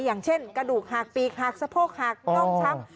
อย่างเช่นกระดูกหักปีกหักสะโพกหักน่องช้ำ